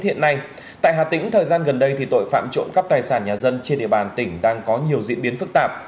hiện nay tại hà tĩnh thời gian gần đây tội phạm trộm cắp tài sản nhà dân trên địa bàn tỉnh đang có nhiều diễn biến phức tạp